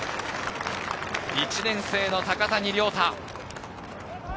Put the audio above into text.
１年生の高谷遼太。